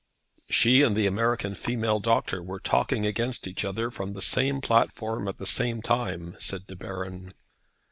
"She and the American female doctor were talking against each other from the same platform, at the same time," said De Baron.